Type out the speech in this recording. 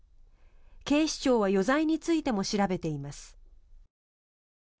警視庁は余罪についても調べています。